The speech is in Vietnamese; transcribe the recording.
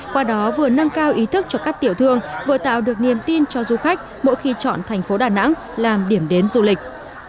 qua đó vừa nâng cao ý thức cho các tiểu thương vừa tạo được niềm tin cho du khách mỗi khi chọn thành phố đà nẵng làm điểm đến du lịch